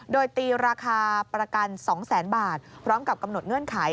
โดยตีราคาประกัน๒แสนบาทพร้อมกับกำหนดเงื่อนไข